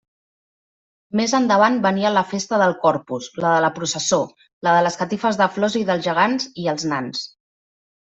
Més endavant venia la festa del Corpus, la de la processó, la de les catifes de flors i dels gegants i els nans.